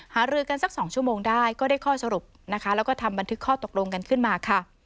หารือกันสัก๒ชั่วโมงได้ก็ได้ข้อสรุปนะคะแล้วก็ทำบันทึกข้อตกลงกันขึ้นมาค่ะ